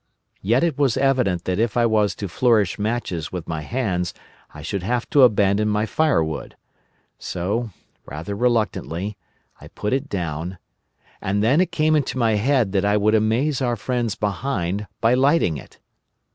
Yet it was evident that if I was to flourish matches with my hands I should have to abandon my firewood; so, rather reluctantly, I put it down. And then it came into my head that I would amaze our friends behind by lighting it.